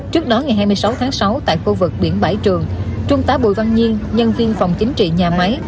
trước đó ngày hai mươi sáu tháng sáu tại khu vực biển bãi trường trung tá bùi văn nhiên nhân viên phòng chính trị nhà máy